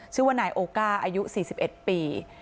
ชื่อว่านายโอก้าอายุ๔๑ปี